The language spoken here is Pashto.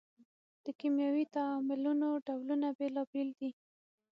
د کیمیاوي تعاملونو ډولونه بیلابیل دي.